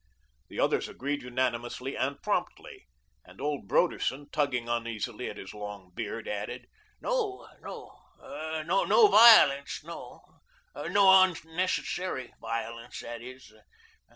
The others agreed unanimously and promptly; and old Broderson, tugging uneasily at his long beard, added: "No no no violence, no UNNECESSARY violence, that is.